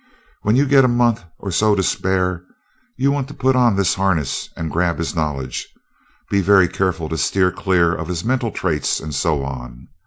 When you get a month or so to spare, you want to put on this harness and grab his knowledge, being very careful to steer clear of his mental traits and so on.